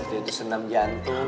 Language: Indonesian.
pasti itu senam jantik